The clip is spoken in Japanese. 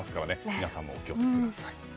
皆さんもお気を付けください。